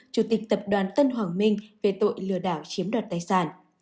chủ tịch tập đoàn tân hoàng minh về tội lừa đảo chiếm đoạt tài sản